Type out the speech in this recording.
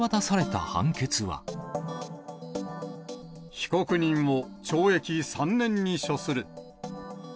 被告人を懲役３年に処する。